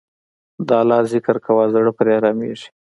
د الله ذکر کوه، زړه پرې آرامیږي.